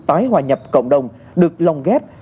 tái hòa nhập cộng đồng được lòng ghép